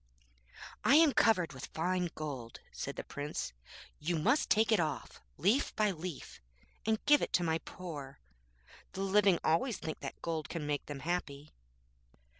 'I am covered with fine gold,' said the Prince, 'you must take it off, leaf by leaf, and give it to my poor; the living always think that gold can make them happy.'